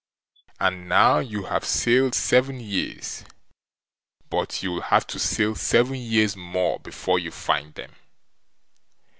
And now you have sailed seven years, but you'll have to sail seven years more before you find them.